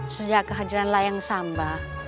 sejak kehadiran layang samba